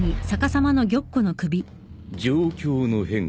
状況の変化